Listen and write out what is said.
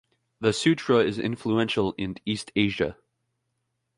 The sutra is influential in East Asia.